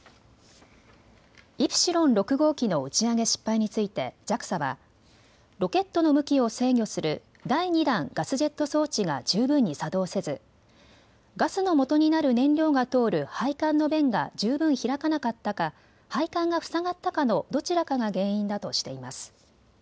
イプシロン６号機の打ち上げ失敗についてＪＡＸＡはロケットの向きを制御する第２段ガスジェット装置が十分に作動せずガスの元になる燃料が通る配管の弁が十分開かなかったか配管がふさがったかのどちらかが原因だとしています。